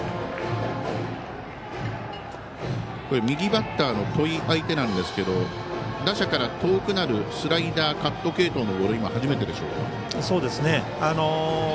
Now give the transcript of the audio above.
右バッターの戸井が相手なんですけども打者から遠くなるスライダーカット系統のボールはそうですね。